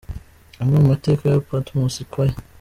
Amwe mu mateka ya Patmos Choir.